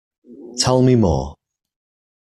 Tell me more.